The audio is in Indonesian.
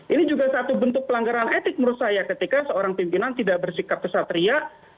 ini juga satu bentuk pelanggaran etik menurut saya ketika seorang pimpinan tidak bersikap kesatria